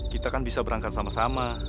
kita kan bisa berangkat sama sama